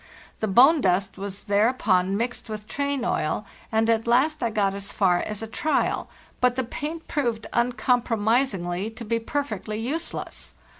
The bone dust was thereupon mixed with train oil, and at last I got as far as a trial, but the paint proved uncompromisingly to be periectly useless.